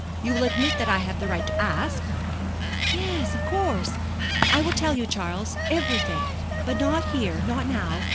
You will admit that I have a right to ask?" "Yes, of course. I will tell you, Charles, everything; but not here not now.